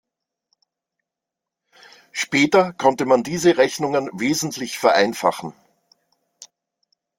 Später konnte man diese Rechnungen wesentlich vereinfachen.